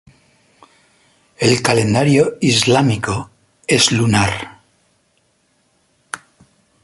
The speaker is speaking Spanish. El calendario islámico es lunar.